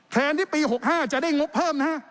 แทนที่ปี๖๕จะได้งบเพิ่มนะฮะ